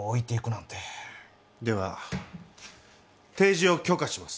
では提示を許可します。